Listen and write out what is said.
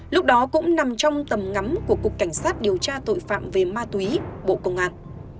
lúc đó cũng nằm trong tầm ngắm của cục cảnh sát điều tra tội phạm về ma túy bộ công an